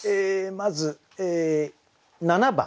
まず７番。